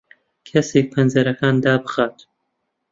کەسێک پەنجەرەکان دابخات.